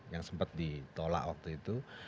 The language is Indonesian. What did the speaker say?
yang sempat ditolak waktu itu